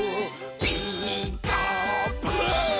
「ピーカーブ！」